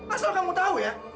asal kamu tau ya